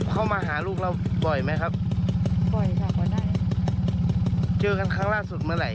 เขามีนิสัยรักเลขโมยน้อยอะไรด้วยไหม